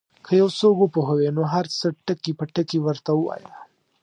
که یو څوک وپوهوې نو هر څه ټکي په ټکي ورته ووایه.